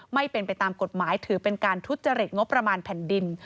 ไม่เป็นไปตามกฎหมายถือเป็นการทุจริตงบประมาณแผ่นดิน